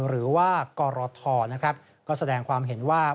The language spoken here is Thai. หรือว่ากรทนะครับก็แสดงความเห็นว่า